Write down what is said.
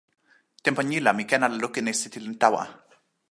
tenpo ni la mi ken ala lukin e sitelen tawa.